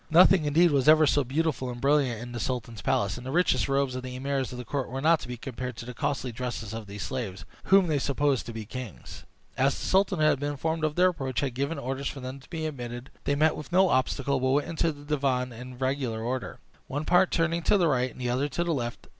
Nothing, indeed, was ever seen so beautiful and brilliant in the sultan's palace, and the richest robes of the emirs of his court were not to be compared to the costly dresses of these slaves, whom they supposed to be kings. As the sultan, who had been informed of their approach, had given orders for them to be admitted, they met with no obstacle, but went into the divan in regular order, one part turning to the right, and the other to the left.